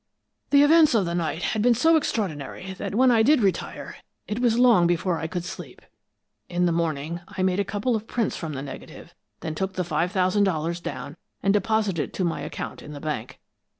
"The events of the night had been so extraordinary that when I did retire, it was long before I could sleep. In the morning, I made a couple of prints from the negative, then took the five thousand dollars down and deposited it to my account in the bank."